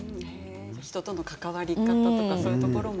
人との関わり方とかそういうところも。